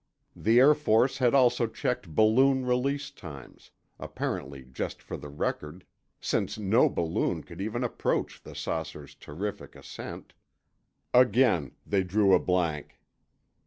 The Air Force had also checked balloon release times—apparently just for the record, since no balloon could even approach the saucer's terrific ascent. Again, they drew a blank.